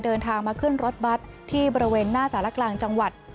เดินทางมาขึ้นรถบัตรที่บริเวณหน้าสารกลางจังหวัด